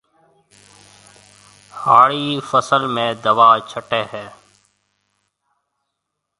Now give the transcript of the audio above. هاڙِي فصل ۾ دوا ڇٽيَ هيَ۔